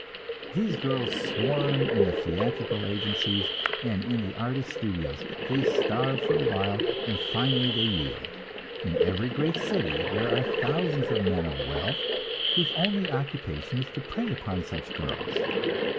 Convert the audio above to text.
These girls swarm in the theatrical agencies, and in the artists' studios; they starve for a while, and finally they yield. In every great city there are thousands of men of wealth, whose only occupation is to prey upon such girls.